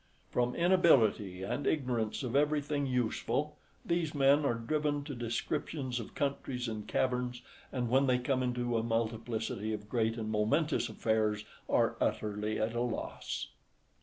From inability, and ignorance of everything useful, these men are driven to descriptions of countries and caverns, and when they come into a multiplicity of great and momentous affairs, are utterly at a loss.